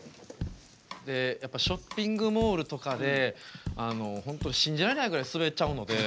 ショッピングモールとかで本当信じられないぐらいスベっちゃうので。